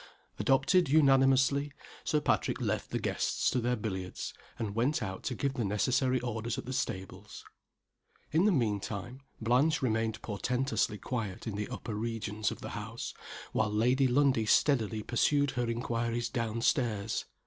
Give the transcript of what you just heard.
Adopted unanimously. Sir Patrick left the guests to their billiards, and went out to give the necessary orders at the stables. In the mean time Blanche remained portentously quiet in the upper regions of the house; while Lady Lundie steadily pursued her inquiries down stairs.